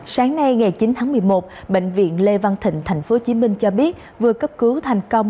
sáng nay ngày chín tháng một mươi một bệnh viện lê văn thịnh tp hcm cho biết vừa cấp cứu thành công